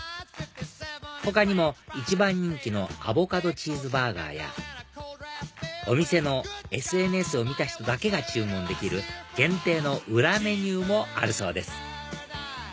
他にも一番人気のアボカドチーズバーガーやお店のＳＮＳを見た人だけが注文できる限定の裏メニューもあるそうです